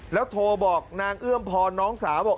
แล้วโทรบอกนางเอื้อมพรน้องสาวบอก